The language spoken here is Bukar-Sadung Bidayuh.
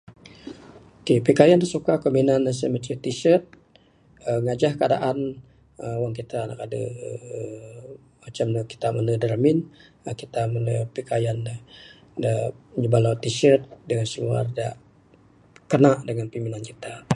Okay, pikayan da suka aku minan ne sien ce Tshirt, uhh ngajah keadaan [uhh],wang kita adeh macam kita mende da ramin, kita minan pikayan da, da meng bala tshirt siluar da kana dangan pimudip kita.